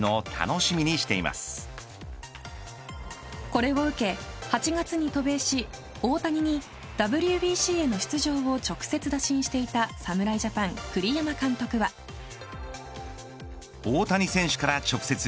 これを受け８月に渡米し、大谷にＷＢＣへの出場を直接打診していた侍ジャパン、栗山監督は。と、コメント。